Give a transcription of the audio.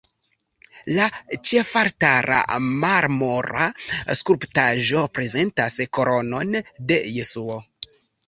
La ĉefaltara marmora skulptaĵo prezentas Koron de Jesuo.